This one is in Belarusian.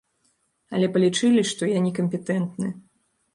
Але палічылі, што я некампетэнтны.